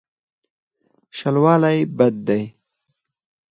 شلوالی بد دی.